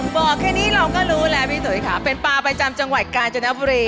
บอกแค่นี้เราก็รู้แล้วพี่ตุ๋ยค่ะเป็นปลาประจำจังหวัดกาญจนบุรี